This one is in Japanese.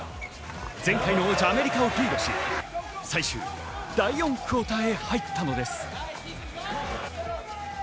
前回の王者アメリカをリードし、最終第４クオーターへ入ったのです。